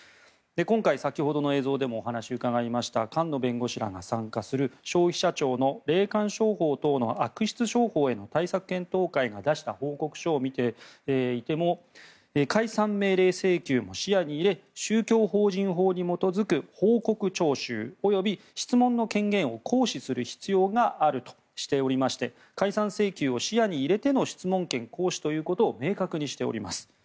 今回、先ほどの映像でもお話を伺いました菅野弁護士らが参加する消費者庁の霊感商法等の悪質商法への対策検討会が出した報告書を見ていても解散命令請求も視野に入れ宗教法人法に基づく報告徴収及び質問の権限を行使する必要があるとしておりまして解散請求を視野に入れての質問権行使ということを明確にしております。